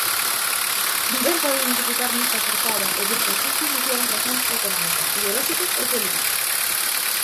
Ninguén pode identificar nesta forzada e brusca substitución razóns económicas, ideolóxicas ou políticas.